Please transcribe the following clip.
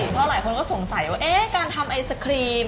เพราะหลายคนก็สงสัยว่าการทำไอศครีม